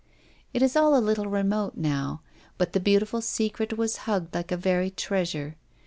It is all a little remote, now, but the beau tiful secret was hugged like a very treasure.